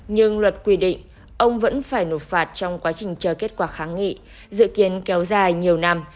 nhưng luật quy định ông vẫn phải nộp phạt trong quá trình chờ kết quả kháng nghị dự kiến kéo dài nhiều năm